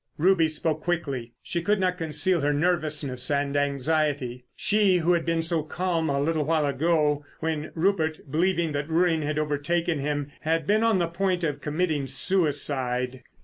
Ruby spoke quickly. She could not conceal her nervousness and anxiety. She, who had been so calm a little while ago when Rupert, believing that ruin had overtaken him, had been on the point of committing suicide.